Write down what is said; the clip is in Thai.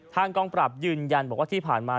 กองปรับยืนยันบอกว่าที่ผ่านมา